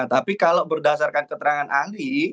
tapi kalau berdasarkan keterangan ahli